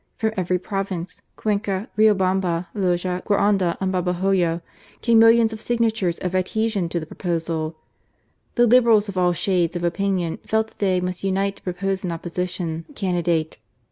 From every province, Cuenca, RiobamlMi, Loja, Guaranda, and Babahoyo, came millions of signatures of adhesion to the proposal. The Liberals of all shades of opinion felt that they must unite to propose an Opposition candidate.